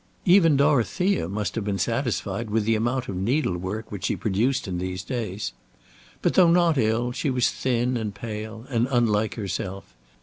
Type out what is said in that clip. Even Dorothea must have been satisfied with the amount of needlework which she produced in these days. But though not ill, she was thin and pale, and unlike herself.